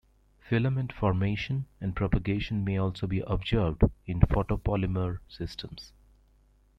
Filament formation and propagation may also be observed in photopolymer systems.